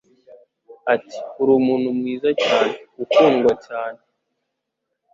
Ati: "uri umuntu mwiza cyane, ukundwa cyane,